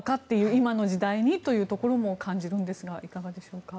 今の時代にというところも感じるんですがいかがでしょうか。